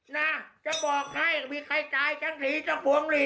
น่าจะบอกให้มีใครจ่ายกันที